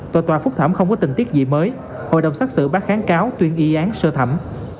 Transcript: tòa phúc thẩm không có tình tiết gì mới hội đồng xác xử bác kháng cáo tuyên y án sơ thẩm